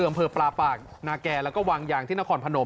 อำเภอปลาปากนาแก่แล้วก็วางยางที่นครพนม